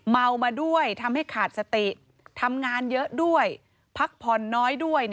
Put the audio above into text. เมามาด้วยทำให้ขาดสติทำงานเยอะด้วยพักผ่อนน้อยด้วย